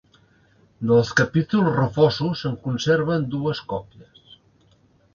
Dels capítols refosos se’n conserven dues còpies.